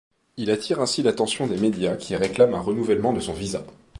Il attire ainsi l'attention des médias qui réclament un renouvellement de son visa.